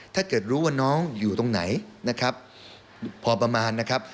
ถ้าเกิดรู้ว่าน้องอยู่ตรงไหนพอประมาณนะครับ